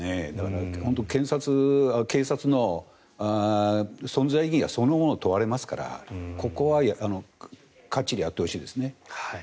本当に警察の存在意義がそのもの問われますからここはかっちりやってほしいですね。